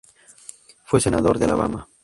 Fue senador de Alabama.